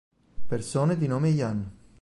Persone di nome Ian